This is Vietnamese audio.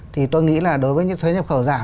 thì tôi nghĩ là đối với những thuế nhập khẩu giảm